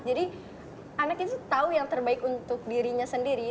jadi anak itu tahu yang terbaik untuk dirinya sendiri